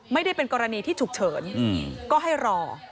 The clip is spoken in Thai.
ไม่ได้เป็นกรณีที่ฉุกเฉินก็ให้รอ